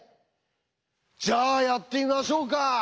じゃあやってみましょうか！